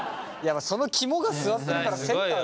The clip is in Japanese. その肝が据わってるからセンターだよ。